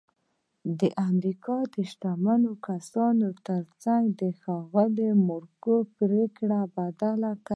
د امریکا د شتمنو کسانو ترڅنګ ښاغلي مورګان پرېکړه بدله کړه